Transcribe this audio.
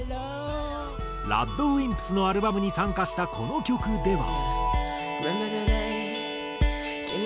ＲＡＤＷＩＭＰＳのアルバムに参加したこの曲では。